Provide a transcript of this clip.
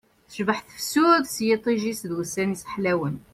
Tecbeḥ tefsut s yiṭij-is d wussan-is ḥlawen